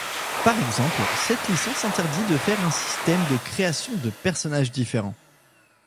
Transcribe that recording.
Par exemple, cette licence interdit de faire un système de création de personnages différent.